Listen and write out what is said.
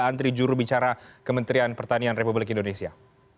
antri juru bicara kementerian pertanian republik indonesia